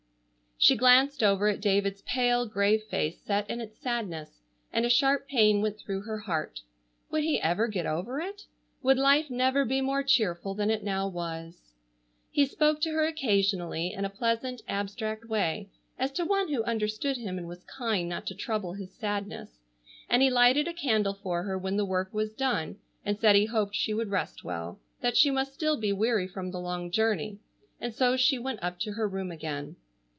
She glanced over at David's pale, grave face, set in its sadness, and a sharp pain went through her heart. Would he ever get over it? Would life never be more cheerful than it now was? He spoke to her occasionally, in a pleasant abstracted way, as to one who understood him and was kind not to trouble his sadness, and he lighted a candle for her when the work was done and said he hoped she would rest well, that she must still be weary from the long journey. And so she went up to her room again.